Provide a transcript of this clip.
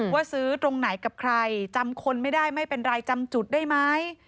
ว่าซื้อตรงไหนกับใครจำคนไม่ได้ไม่เป็นไรจำจุดได้ไหม